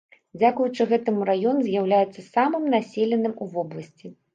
Дзякуючы гэтаму раён з'яўляецца самым населеным у вобласці.